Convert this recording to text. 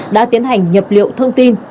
đã tiến hành nhập liệu thông tin